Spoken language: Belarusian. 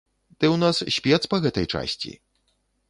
Ты ў нас спец па гэтай часці.